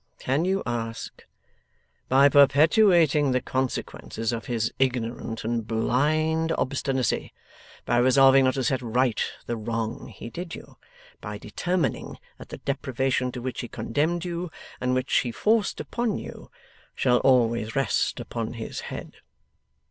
Can you ask! By perpetuating the consequences of his ignorant and blind obstinacy. By resolving not to set right the wrong he did you. By determining that the deprivation to which he condemned you, and which he forced upon you, shall always rest upon his head.